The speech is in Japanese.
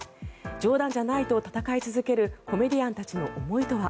冗談じゃないと戦い続けるコメディアンたちの思いとは。